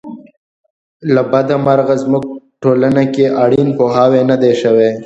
له بده مرغه زموږ ټولنه کې اړین پوهاوی نه دی شوی.